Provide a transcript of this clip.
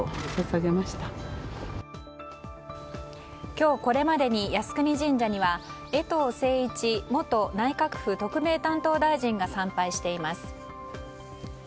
今日、これまでに靖国神社には衛藤晟一元内閣府特命担当大臣が参拝しています。